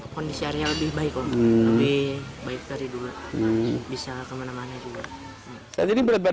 kondisi arya lebih baik lebih baik dari dulu bisa kemana mana juga